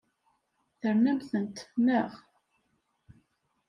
Ternamt-tent, naɣ?